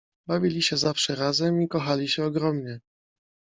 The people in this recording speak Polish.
Bawili się zawsze razem i kochali się ogromnie.